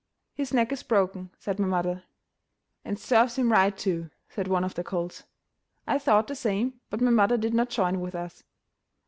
"His neck is broken," said my mother. "And serves him right, too," said one of the colts. I thought the same, but my mother did not join with us.